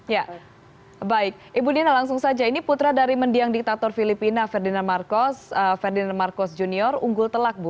ya baik ibu dina langsung saja ini putra dari mendiang diktator filipina ferdinand ferdinand marcos junior unggul telak bu